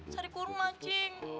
sari kurma cing